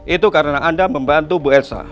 itu karena anda membantu bu elsa